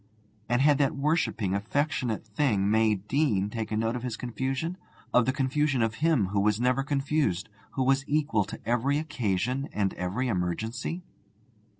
And had that worshipping, affectionate thing, May Deane, taken note of his confusion of the confusion of him who was never confused, who was equal to every occasion and every emergency?